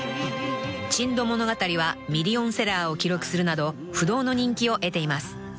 ［『珍島物語』はミリオンセラーを記録するなど不動の人気を得ています］